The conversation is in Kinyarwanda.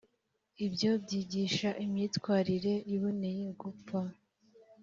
ibyo byigisha imyitwarire iboneye gupfa.